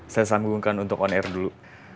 saya sambungkan untuk on air dulu